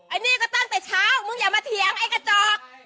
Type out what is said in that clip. อันนี้ก็ตั้งแต่เช้ามึงอย่ามาเถียงไอ้กระจอก